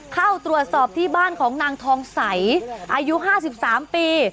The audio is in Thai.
เข้าตรวจสอบที่บ้านของนางทองใสอายุ๕๓ปี